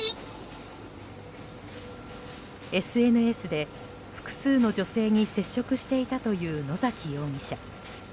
ＳＮＳで複数の女性に接触していたという野崎容疑者。